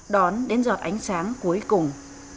đón đến giọt ánh sáng cuối cùng